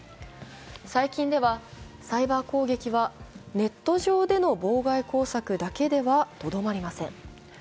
最近ではサイバー攻撃はネット上での妨害工作だけにとどまりません。